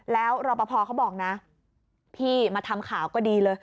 แล้วรอปภเขาบอกนะพี่มาทำข่าวก็ดีเลย